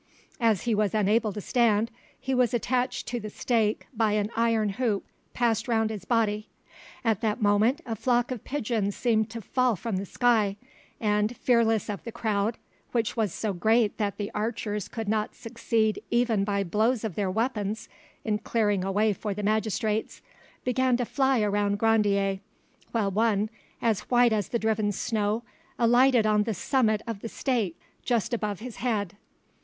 As he was unable to stand, he was attached to the stake by an iron hoop passed round his body. At that moment a flock of pigeons seemed to fall from the sky, and, fearless of the crowd, which was so great that the archers could not succeed even by blows of their weapons in clearing a way for the magistrates, began to fly around Grandier, while one, as white as the driven snow, alighted on the summit of the stake, just above his head.